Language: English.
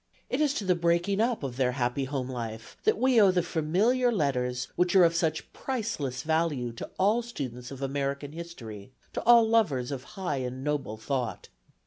It is to the breaking up of their happy home life that we owe the Familiar Letters which are of such priceless value to all students of American history, to all lovers of high and noble thought.